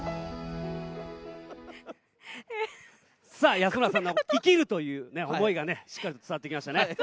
安村さんの生きるという想いがしっかり伝わってきました。